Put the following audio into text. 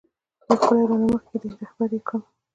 یو ښکلی رانه مخکی دی رهبر یی کړم کنه؟